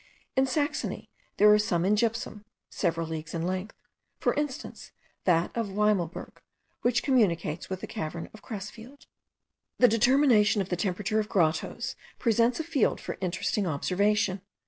In Saxony there are some in gypsum several leagues in length; for instance, that of Wimelburg, which communicates with the cavern of Cresfield. The determination of the temperature of grottoes presents a field for interesting observation.